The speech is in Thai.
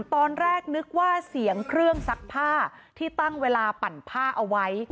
ตอนแรกนึกว่าเสียงเครื่องซักผ้าที่ตั้งเวลาปั่นผ้าเอาไว้